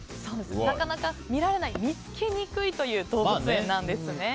なかなか見られない見つけにくい動物園なんです。